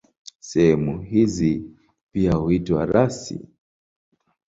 Sehemu hizi pia huitwa rasi.